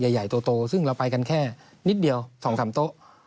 ใหญ่โตซึ่งเราไปกันแค่นิดเดียว๒๓โต๊ะ